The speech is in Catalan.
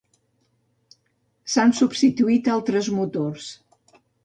S'han substitut altres motors.